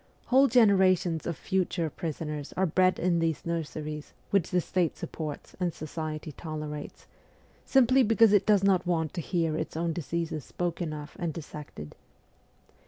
Whole generations of future prisoners are bred in these nurseries which the state supports and society tolerates, simply because it does not want to hear its own diseases spoken of and dissected.